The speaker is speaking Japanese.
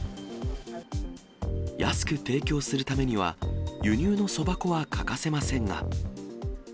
安く提供するためには、輸入のそば粉は欠かせませんが。